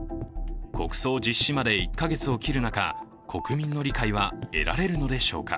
国葬実施まで１カ月を切る中、国民の理解は得られるのでしょうか。